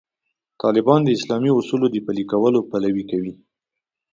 طالبان د اسلامي اصولو د پلي کولو پلوي کوي.